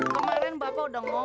kemaren bapak udah ngomong